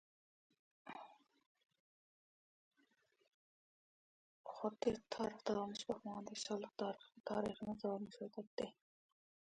خۇددى شانلىق تارىخىمىز بولۇپ باقمىغاندەك. تارىخ داۋاملىشىۋاتاتتى.